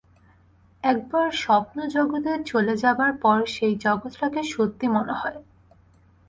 একবার স্বপ্ন-জগতে চলে যাবার পর সেই জগৎটাকে সত্যি মনে হয়।